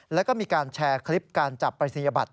แล้วก็มีการแชร์คลิปการจับปรายศนียบัตร